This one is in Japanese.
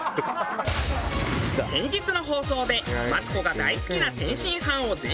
先日の放送でマツコが大好きな天津飯を全国で大調査！